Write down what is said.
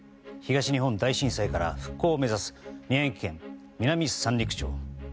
東日本大震災から復興を目指す宮城県南三陸町。